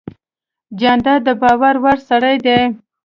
جانداد د باور وړ سړی دی.